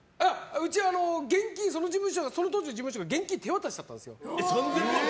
うち、その当時の事務所が現金手渡しだったんですよ。